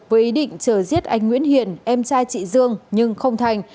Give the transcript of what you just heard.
với ý định chờ giết anh nguyễn hiền em trai chị dương nhưng không thành